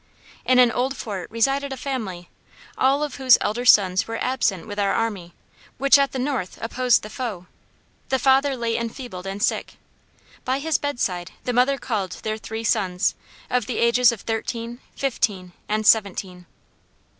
In an old fort resided a family, all of whose elder sons were absent with our army, which at the north opposed the foe. The father lay enfeebled and sick. By his bedside the mother called their three sons, of the ages of thirteen, fifteen, and seventeen.